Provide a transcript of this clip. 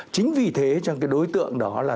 chính vì thế cho cái đối tượng đó là